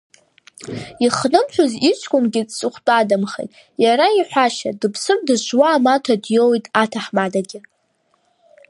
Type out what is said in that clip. Ихнымҳәыз иҷкәынгьы дҵыхәтәадамхеит, иара иҳәашьа, дыԥсыр дызжуа амаҭа диоуит аҭаҳмадагьы.